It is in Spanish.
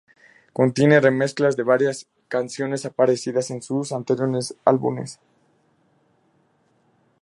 Contiene remezclas de varias canciones aparecidas en sus anteriores álbumes.